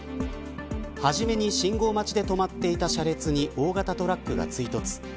初めに、信号待ちで止まっていた車列に大型トラックが追突。